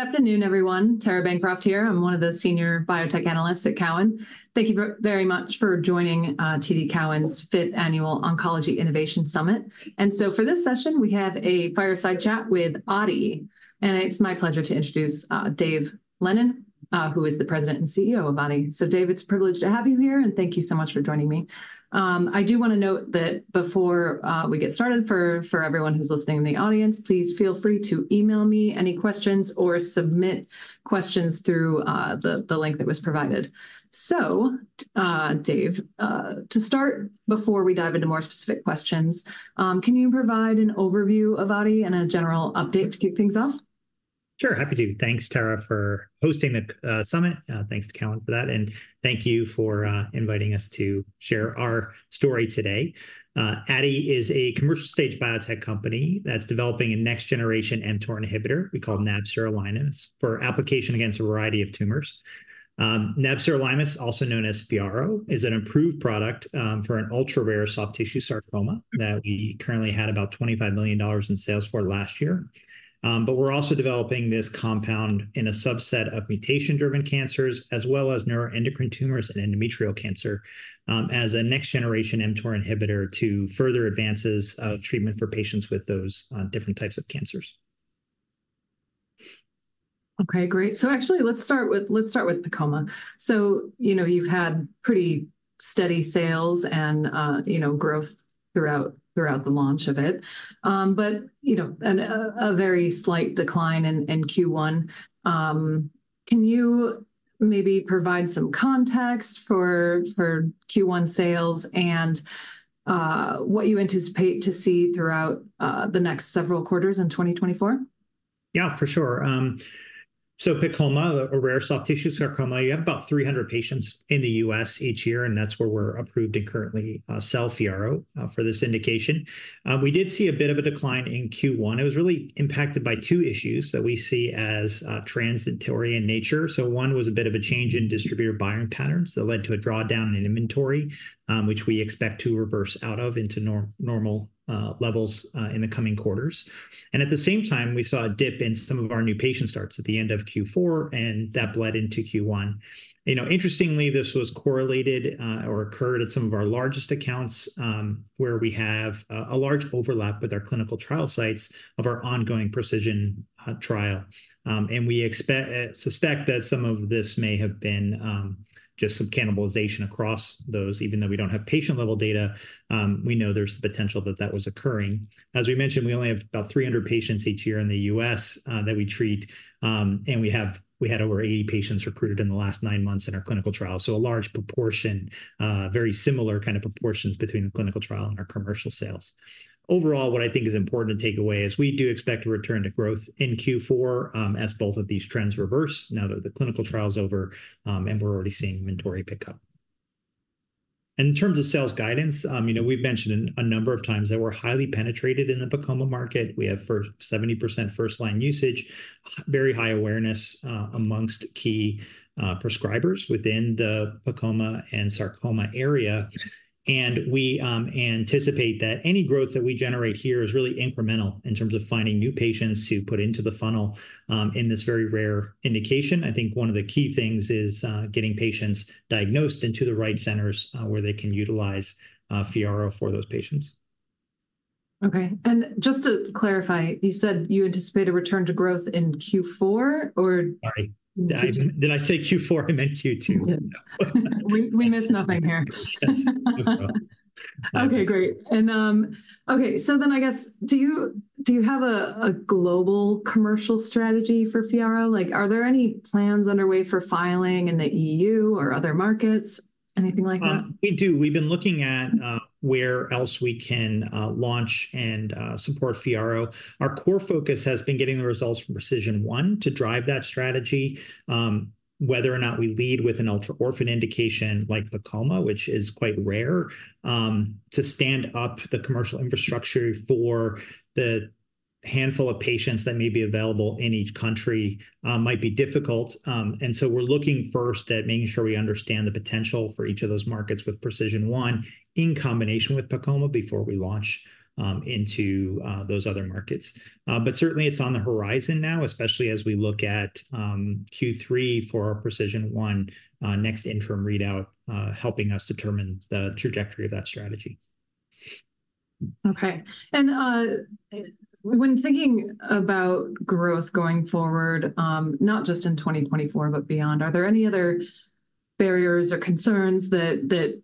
Good afternoon, everyone. Tara Bancroft here. I'm one of the senior biotech analysts at Cowen. Thank you very much for joining TD Cowen's Fifth Annual Oncology Innovation Summit. For this session, we have a fireside chat with Aadi, and it's my pleasure to introduce Dave Lennon, who is the President and CEO of Aadi. So Dave, it's a privilege to have you here, and thank you so much for joining me. I do wanna note that before we get started, for everyone who's listening in the audience, please feel free to email me any questions, or submit questions through the link that was provided. So, Dave, to start, before we dive into more specific questions, can you provide an overview of Aadi and a general update to kick things off? Sure, happy to. Thanks, Tara, for hosting the summit. Thanks to Cowen for that, and thank you for inviting us to share our story today. Aadi is a commercial-stage biotech company that's developing a next-generation mTOR inhibitor we call nab-sirolimus, for application against a variety of tumors. Nab-sirolimus, also known as FYARRO, is an improved product for an ultra-rare soft tissue sarcoma that we currently had about $25 million in sales for last year. But we're also developing this compound in a subset of mutation-driven cancers, as well as neuroendocrine tumors and endometrial cancer, as a next-generation mTOR inhibitor to further advances of treatment for patients with those different types of cancers. Okay, great. So actually, let's start with PEComa. So, you know, you've had pretty steady sales and, you know, growth throughout the launch of it. But, you know, and a very slight decline in Q1. Can you maybe provide some context for Q1 sales and what you anticipate to see throughout the next several quarters in 2024? Yeah, for sure. So PEComa, a rare soft tissue sarcoma, you have about 300 patients in the US each year, and that's where we're approved and currently sell FYARRO for this indication. We did see a bit of a decline in Q1. It was really impacted by two issues that we see as transitory in nature. So one was a bit of a change in distributor buying patterns that led to a drawdown in inventory, which we expect to reverse out of into normal levels in the coming quarters. And at the same time, we saw a dip in some of our new patient starts at the end of Q4, and that bled into Q1. You know, interestingly, this was correlated or occurred at some of our largest accounts, where we have a large overlap with our clinical trial sites of our ongoing PRECISION trial. We suspect that some of this may have been just some cannibalization across those. Even though we don't have patient-level data, we know there's the potential that that was occurring. As we mentioned, we only have about 300 patients each year in the US that we treat. We had over 80 patients recruited in the last nine months in our clinical trial, so a large proportion, very similar kind of proportions between the clinical trial and our commercial sales. Overall, what I think is important to take away is we do expect a return to growth in Q4, as both of these trends reverse now that the clinical trial's over, and we're already seeing inventory pick up. In terms of sales guidance, you know, we've mentioned a number of times that we're highly penetrated in the PEComa market. We have 70% first-line usage, very high awareness among key prescribers within the PEComa and sarcoma area. And we anticipate that any growth that we generate here is really incremental in terms of finding new patients to put into the funnel, in this very rare indication. I think one of the key things is getting patients diagnosed into the right centers, where they can utilize FYARRO for those patients. Okay, and just to clarify, you said you anticipate a return to growth in Q4, or- Sorry, I- Q2... Did I say Q4? I meant Q2. You did. We miss nothing here. Yes. Okay, great. And, okay, so then I guess, do you have a global commercial strategy for FYARRO? Like, are there any plans underway for filing in the EU or other markets, anything like that? We do. We've been looking at where else we can launch and support FYARRO. Our core focus has been getting the results from PRECISION1 to drive that strategy. Whether or not we lead with an ultra-orphan indication like PEComa, which is quite rare, to stand up the commercial infrastructure for the handful of patients that may be available in each country might be difficult. And so we're looking first at making sure we understand the potential for each of those markets with PRECISION1 in combination with PEComa before we launch into those other markets. But certainly it's on the horizon now, especially as we look at Q3 for our PRECISION1 next interim readout, helping us determine the trajectory of that strategy. Okay, and when thinking about growth going forward, not just in 2024, but beyond, are there any other barriers or concerns that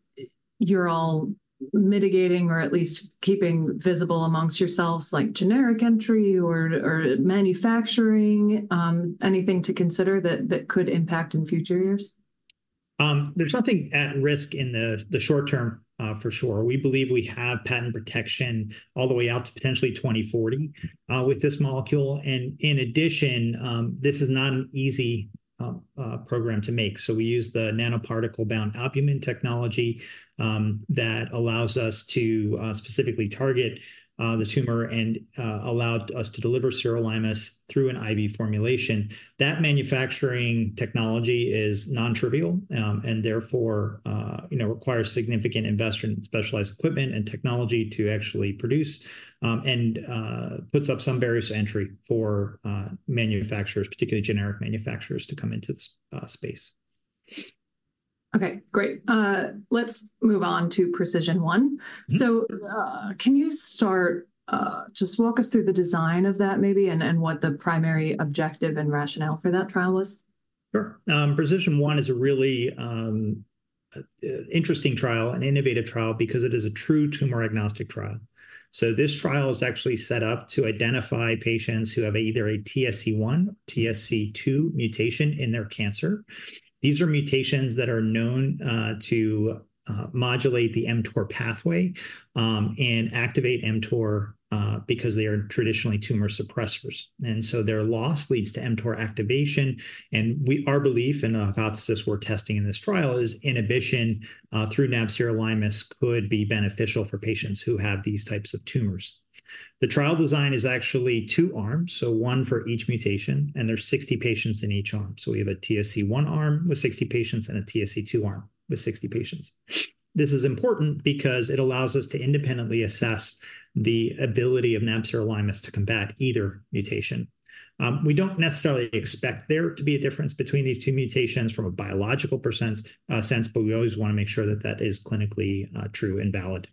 you're all mitigating or at least keeping visible amongst yourselves, like generic entry or manufacturing? Anything to consider that could impact in future years? There's nothing at risk in the short term, for sure. We believe we have patent protection all the way out to potentially 2040 with this molecule. And in addition, this is not an easy program to make, so we use the nanoparticle albumin-bound technology that allows us to specifically target the tumor, and allowed us to deliver sirolimus through an IV formulation. That manufacturing technology is nontrivial, and therefore, you know, requires significant investment in specialized equipment and technology to actually produce, and puts up some barriers to entry for manufacturers, particularly generic manufacturers, to come into this space.... Okay, great. Let's move on to PRECISION1. Mm-hmm. Can you start, just walk us through the design of that maybe, and what the primary objective and rationale for that trial was? Sure. PRECISION1 is a really, an interesting trial, an innovative trial, because it is a true tumor-agnostic trial. So this trial is actually set up to identify patients who have either a TSC1, TSC2 mutation in their cancer. These are mutations that are known to modulate the mTOR pathway, and activate mTOR, because they are traditionally tumor suppressors. And so their loss leads to mTOR activation, and our belief, and the hypothesis we're testing in this trial, is inhibition through nab-sirolimus could be beneficial for patients who have these types of tumors. The trial design is actually two arms, so one for each mutation, and there's 60 patients in each arm. So we have a TSC1 arm with 60 patients and a TSC2 arm with 60 patients. This is important because it allows us to independently assess the ability of nab-sirolimus to combat either mutation. We don't necessarily expect there to be a difference between these two mutations from a biological perspective sense, but we always wanna make sure that that is clinically true and valid.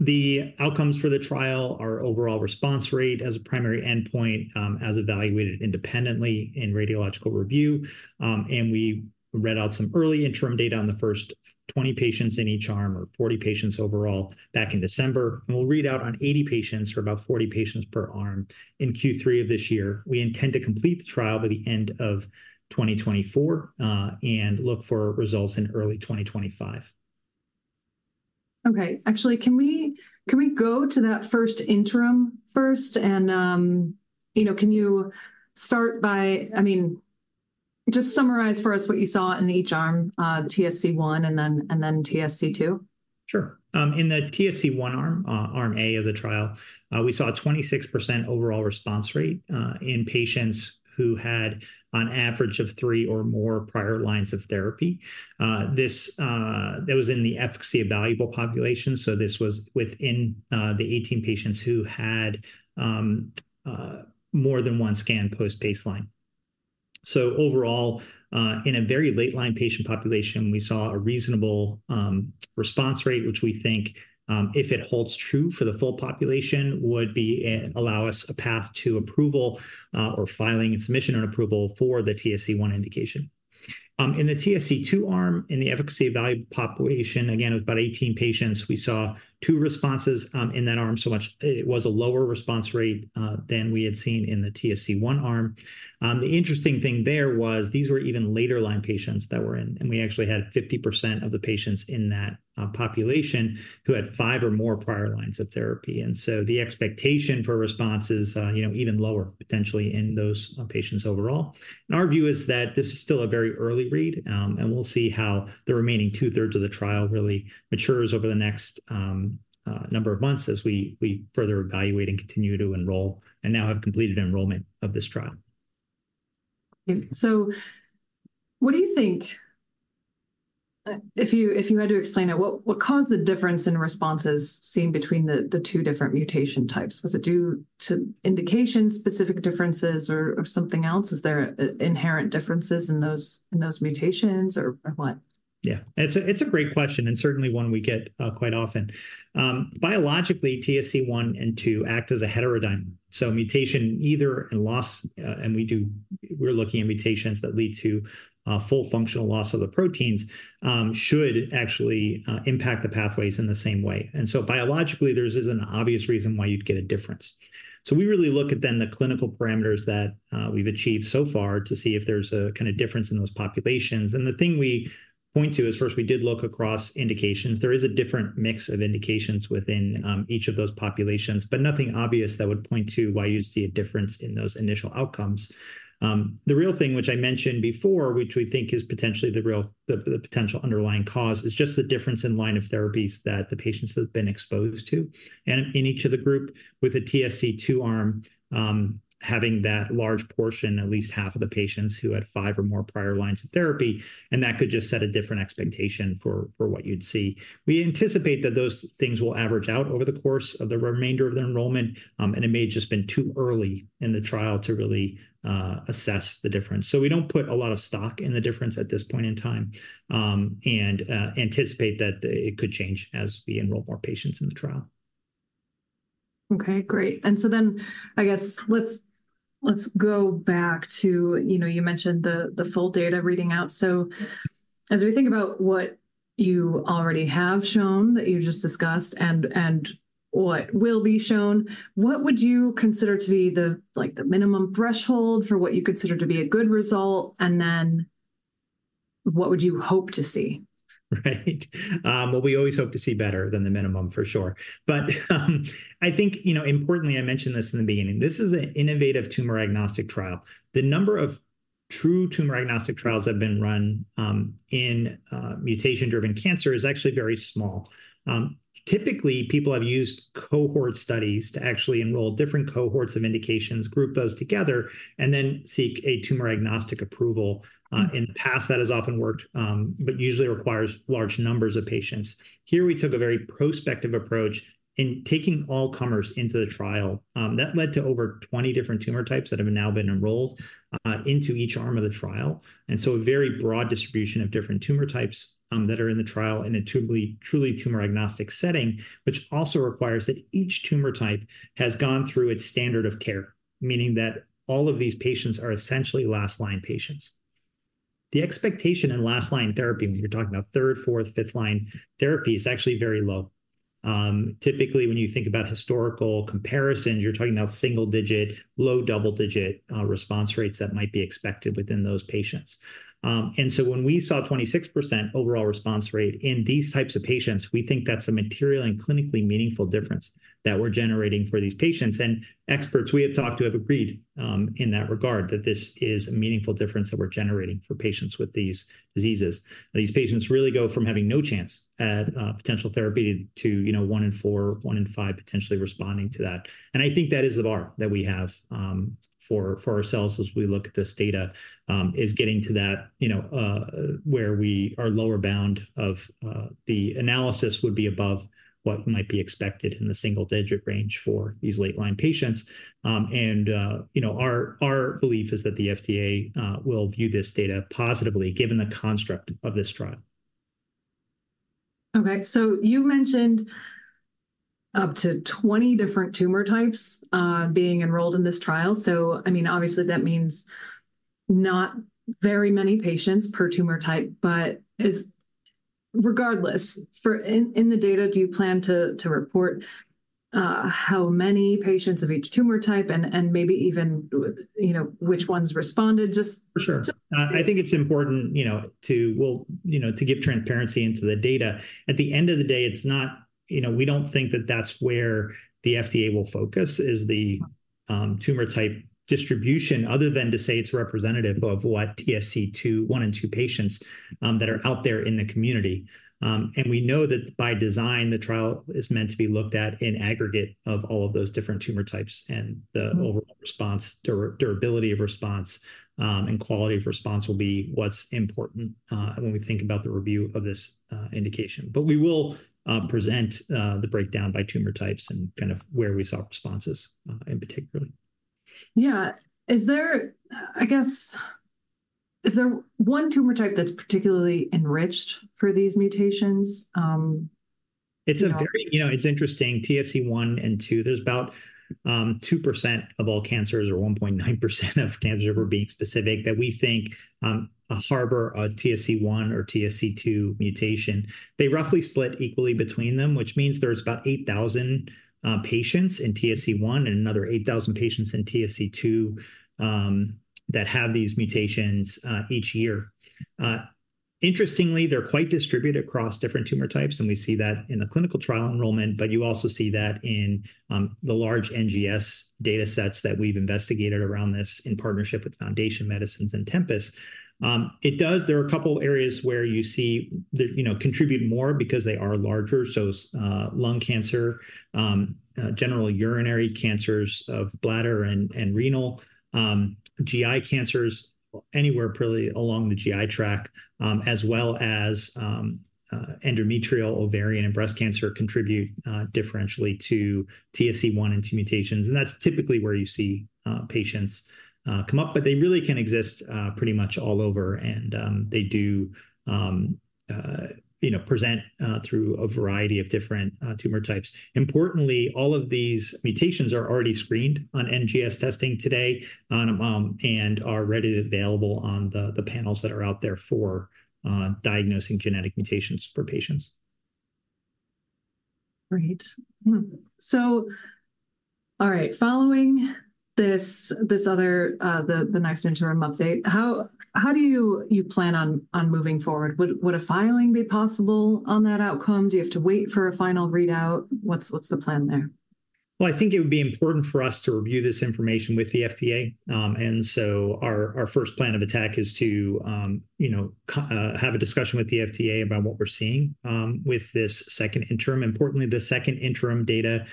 The outcomes for the trial are overall response rate as a primary endpoint, as evaluated independently in radiological review. And we read out some early interim data on the first 20 patients in each arm, or 40 patients overall, back in December, and we'll read out on 80 patients, or about 40 patients per arm, in Q3 of this year. We intend to complete the trial by the end of 2024 and look for results in early 2025. Okay. Actually, can we go to that first interim and, you know, can you start by... I mean, just summarize for us what you saw in each arm, TSC1 and then TSC2? Sure. In the TSC1 arm, Arm A of the trial, we saw a 26% overall response rate in patients who had an average of three or more prior lines of therapy. This, that was in the efficacy-evaluable population, so this was within the 18 patients who had more than one scan post-baseline. So overall, in a very late-line patient population, we saw a reasonable response rate, which we think, if it holds true for the full population, would be allow us a path to approval, or filing and submission and approval for the TSC1 indication. In the TSC2 arm, in the efficacy-evaluable population, again, it was about 18 patients, we saw two responses in that arm. It was a lower response rate than we had seen in the TSC1 arm. The interesting thing there was these were even later-line patients that were in, and we actually had 50% of the patients in that population who had five or more prior lines of therapy, and so the expectation for response is, you know, even lower, potentially, in those patients overall. Our view is that this is still a very early read, and we'll see how the remaining two-thirds of the trial really matures over the next number of months as we further evaluate and continue to enroll, and now have completed enrollment of this trial. So what do you think, if you had to explain it, what caused the difference in responses seen between the two different mutation types? Was it due to indication-specific differences or something else? Is there inherent differences in those mutations or what? Yeah, it's a great question, and certainly one we get quite often. Biologically, TSC1 and TSC2 act as a heterodimer, so a mutation in either, and loss, and we're looking at mutations that lead to full functional loss of the proteins should actually impact the pathways in the same way. And so biologically, there isn't an obvious reason why you'd get a difference. So we really look at then the clinical parameters that we've achieved so far to see if there's a kinda difference in those populations. And the thing we point to is, first, we did look across indications. There is a different mix of indications within each of those populations, but nothing obvious that would point to why you'd see a difference in those initial outcomes. The real thing, which I mentioned before, which we think is potentially the real, the potential underlying cause, is just the difference in line of therapies that the patients have been exposed to. And in each of the group, with the TSC2 arm, having that large portion, at least half of the patients, who had five or more prior lines of therapy, and that could just set a different expectation for what you'd see. We anticipate that those things will average out over the course of the remainder of the enrollment, and it may have just been too early in the trial to really assess the difference. So we don't put a lot of stock in the difference at this point in time, and anticipate that it could change as we enroll more patients in the trial. Okay, great. So then, I guess, let's go back to, you know, you mentioned the full data reading out. So as we think about what you already have shown, that you just discussed, and what will be shown, what would you consider to be the, like, the minimum threshold for what you consider to be a good result, and then what would you hope to see? Right. Well, we always hope to see better than the minimum, for sure. But, I think, you know, importantly, I mentioned this in the beginning, this is an innovative tumor-agnostic trial. The number of true tumor-agnostic trials that have been run in mutation-driven cancer is actually very small. Typically, people have used cohort studies to actually enroll different cohorts of indications, group those together, and then seek a tumor-agnostic approval. In the past, that has often worked, but usually requires large numbers of patients. Here, we took a very prospective approach in taking all comers into the trial. That led to over 20 different tumor types that have now been enrolled into each arm of the trial, and so a very broad distribution of different tumor types that are in the trial in a truly, truly tumor-agnostic setting, which also requires that each tumor type has gone through its standard of care, meaning that all of these patients are essentially last-line patients. The expectation in last-line therapy, when you're talking about third, fourth, fifth-line therapy, is actually very low. Typically, when you think about historical comparisons, you're talking about single-digit, low double-digit response rates that might be expected within those patients. And so when we saw 26% overall response rate in these types of patients, we think that's a material and clinically meaningful difference that we're generating for these patients. And experts we have talked to have agreed, in that regard, that this is a meaningful difference that we're generating for patients with these diseases. These patients really go from having no chance at potential therapy to, you know, one in four, one in five potentially responding to that. And I think that is the bar that we have for ourselves as we look at this data, is getting to that, you know, where our lower bound of the analysis would be above what might be expected in the single-digit range for these late-line patients. And, you know, our belief is that the FDA will view this data positively, given the construct of this trial. Okay, so you mentioned up to 20 different tumor types being enrolled in this trial. So, I mean, obviously, that means not very many patients per tumor type, but... Regardless, in the data, do you plan to report how many patients of each tumor type and maybe even, you know, which ones responded? Just- For sure. To- I think it's important, you know, well, you know, to give transparency into the data. At the end of the day, it's not, you know, we don't think that that's where the FDA will focus, is the tumor type distribution, other than to say it's representative of what TSC1 and TSC2 patients that are out there in the community. And we know that by design, the trial is meant to be looked at in aggregate of all of those different tumor types, and the overall response durability of response, and quality of response will be what's important when we think about the review of this indication. But we will present the breakdown by tumor types and kind of where we saw responses in particularly. Yeah. Is there, I guess, is there one tumor type that's particularly enriched for these mutations? It's a very- Yeah. You know, it's interesting. TSC1 and 2, there's about 2% of all cancers or 1.9% of cancers, if we're being specific, that we think harbor a TSC1 or TSC2 mutation. They roughly split equally between them, which means there's about 8,000 patients in TSC1 and another 8,000 patients in TSC2 that have these mutations each year. Interestingly, they're quite distributed across different tumor types, and we see that in the clinical trial enrollment, but you also see that in the large NGS data sets that we've investigated around this in partnership with Foundation Medicine and Tempus. It does... There are a couple of areas where you see the, you know, contribute more because they are larger, so, lung cancer, genitourinary cancers of bladder and renal, GI cancers, anywhere really along the GI tract, as well as, endometrial, ovarian, and breast cancer contribute, differentially to TSC1 and TSC2 mutations, and that's typically where you see, patients, come up. But they really can exist, pretty much all over, and, they do, you know, present, through a variety of different, tumor types. Importantly, all of these mutations are already screened on NGS testing today, and are readily available on the panels that are out there for, diagnosing genetic mutations for patients. Great. Hmm, so, all right, following this other, the next interim update, how do you plan on moving forward? Would a filing be possible on that outcome? Do you have to wait for a final readout? What's the plan there? Well, I think it would be important for us to review this information with the FDA. And so our first plan of attack is to, you know, have a discussion with the FDA about what we're seeing with this second interim. Importantly, the second interim data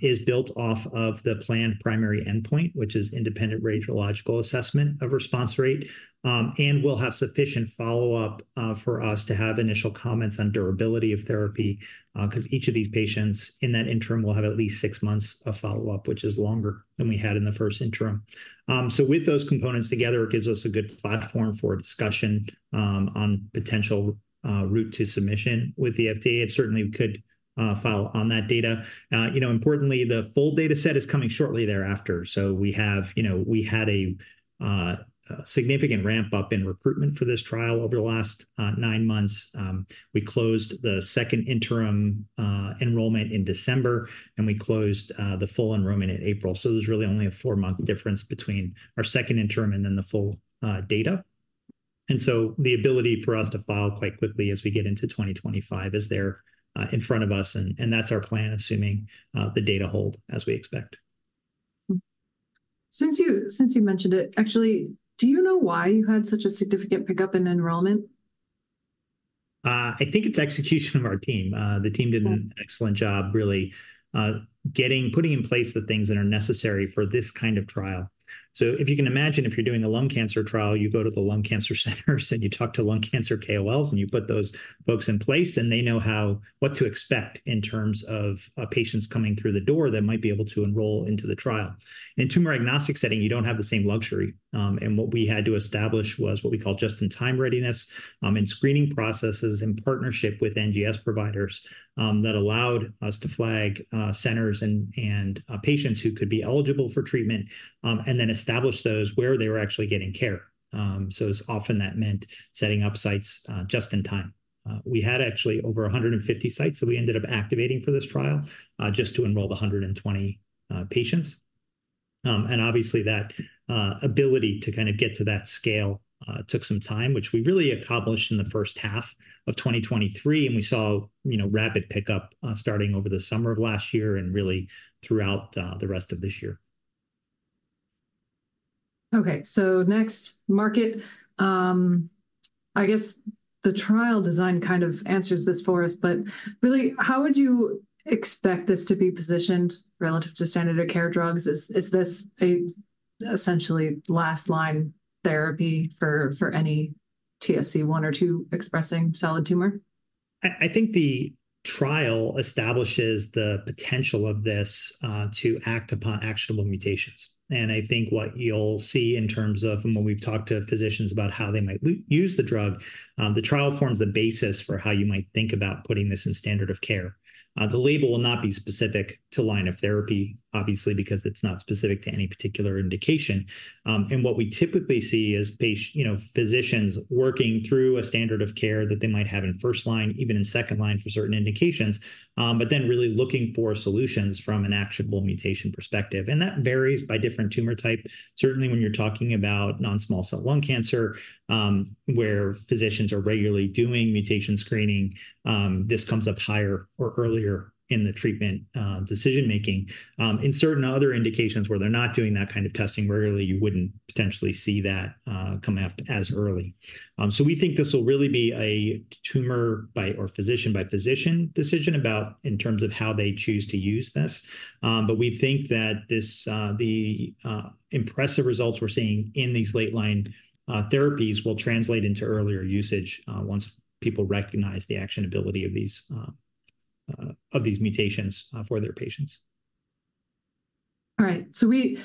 is built off of the planned primary endpoint, which is independent radiological assessment of response rate. And we'll have sufficient follow-up for us to have initial comments on durability of therapy, 'cause each of these patients in that interim will have at least six months of follow-up, which is longer than we had in the first interim. So with those components together, it gives us a good platform for a discussion on potential route to submission with the FDA. It certainly could file on that data. You know, importantly, the full data set is coming shortly thereafter, so we have... You know, we had a significant ramp-up in recruitment for this trial over the last 9 months. We closed the second interim enrollment in December, and we closed the full enrollment in April. So there's really only a 4-month difference between our second interim and then the full data. And so the ability for us to file quite quickly as we get into 2025 is there in front of us, and that's our plan, assuming the data hold as we expect. Hmm. Since you mentioned it, actually, do you know why you had such a significant pickup in enrollment? I think it's execution of our team. The team- Cool... did an excellent job, really, getting putting in place the things that are necessary for this kind of trial. So if you can imagine, if you're doing a lung cancer trial, you go to the lung cancer centers, and you talk to lung cancer KOLs, and you put those folks in place, and they know how what to expect in terms of patients coming through the door that might be able to enroll into the trial. In tumor-agnostic setting, you don't have the same luxury. And what we had to establish was what we call just-in-time readiness and screening processes in partnership with NGS providers that allowed us to flag centers and patients who could be eligible for treatment and then establish those where they were actually getting care. So it's often that meant setting up sites, just in time. We had actually over 150 sites that we ended up activating for this trial, just to enroll the 120 patients. And obviously, that ability to kind of get to that scale took some time, which we really accomplished in the first half of 2023, and we saw, you know, rapid pickup, starting over the summer of last year and really throughout the rest of this year. Okay, so next market, I guess the trial design kind of answers this for us, but really, how would you expect this to be positioned relative to standard of care drugs? Is this essentially last-line therapy for any TSC1 or TSC2-expressing solid tumor? I think the trial establishes the potential of this to act upon actionable mutations. And I think what you'll see in terms of and when we've talked to physicians about how they might use the drug, the trial forms the basis for how you might think about putting this in standard of care. The label will not be specific to line of therapy, obviously, because it's not specific to any particular indication. And what we typically see is you know, physicians working through a standard of care that they might have in first line, even in second line for certain indications, but then really looking for solutions from an actionable mutation perspective, and that varies by different tumor type. Certainly, when you're talking about non-small cell lung cancer, where physicians are regularly doing mutation screening, this comes up higher or earlier in the treatment, decision-making. In certain other indications where they're not doing that kind of testing regularly, you wouldn't potentially see that, come up as early. So we think this will really be a tumor by... or physician-by-physician decision about in terms of how they choose to use this. But we think that this, the, impressive results we're seeing in these late-line, therapies will translate into earlier usage, once people recognize the actionability of these, of these mutations, for their patients. All right, so we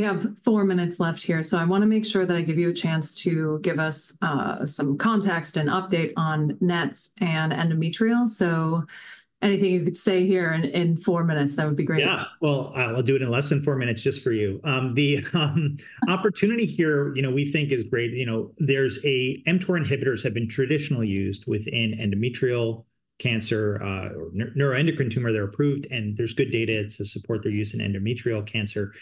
have four minutes left here, so I want to make sure that I give you a chance to give us some context and update on NETs and endometrial. So anything you could say here in four minutes, that would be great. Yeah. Well, I, I'll do it in less than four minutes just for you. The opportunity here, you know, we think is great. You know, there's a mTOR inhibitors have been traditionally used within endometrial cancer, or neuroendocrine tumor. They're approved, and there's good data to support their use in endometrial cancer.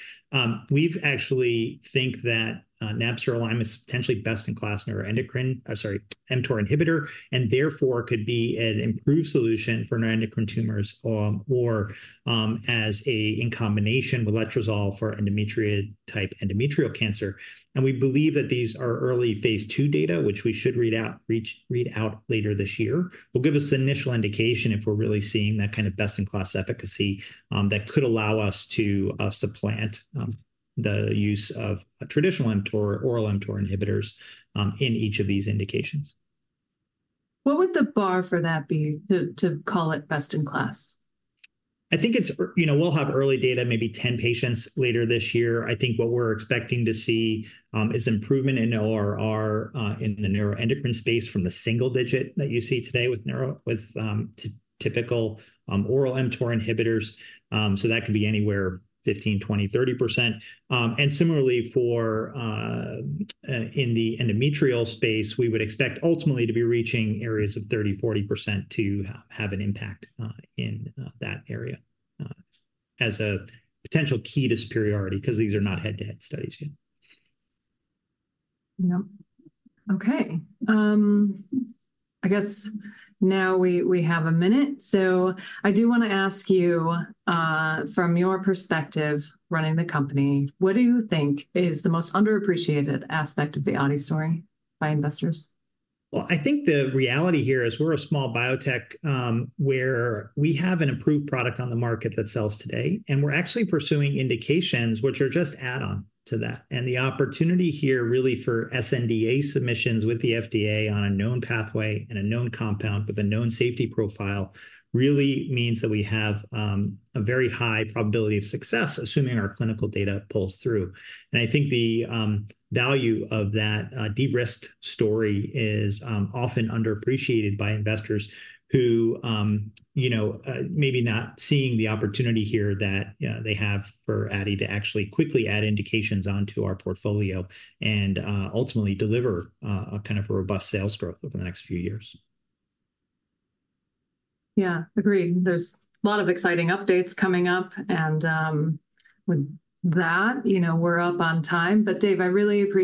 We've actually think that nab-sirolimus is potentially best-in-class neuroendocrine mTOR inhibitor, and therefore could be an improved solution for neuroendocrine tumors, or as a in combination with letrozole for endometrioid-type endometrial cancer. We believe that these are early phase II data, which we should read out later this year, will give us initial indication if we're really seeing that kind of best-in-class efficacy that could allow us to supplant the use of a traditional mTOR, oral mTOR inhibitors in each of these indications. What would the bar for that be, to call it best in class? I think it's... You know, we'll have early data, maybe 10 patients, later this year. I think what we're expecting to see is improvement in ORR in the neuroendocrine space from the single digit that you see today with typical oral mTOR inhibitors. So that could be anywhere 15%-30%. And similarly in the endometrial space, we would expect ultimately to be reaching areas of 30%-40% to have an impact in that area as a potential key to superiority 'cause these are not head-to-head studies yet. Yep. Okay, I guess now we have a minute, so I do wanna ask you, from your perspective running the company, what do you think is the most underappreciated aspect of the Aadi story by investors? Well, I think the reality here is we're a small biotech, where we have an improved product on the market that sells today, and we're actually pursuing indications which are just add-on to that. And the opportunity here, really for sNDA submissions with the FDA on a known pathway and a known compound with a known safety profile, really means that we have a very high probability of success, assuming our clinical data pulls through. And I think the value of that de-risked story is often underappreciated by investors who, you know, maybe not seeing the opportunity here that they have for Aadi to actually quickly add indications onto our portfolio and ultimately deliver a kind of a robust sales growth over the next few years. Yeah, agreed. There's a lot of exciting updates coming up, and, with that, you know, we're up on time. But Dave, I really appreciate-